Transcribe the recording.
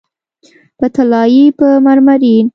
په طلایې، په مرمرین